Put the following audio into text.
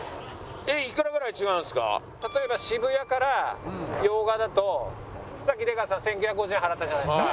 例えば渋谷から用賀だとさっき出川さん１９５０円払ったじゃないですか現金で。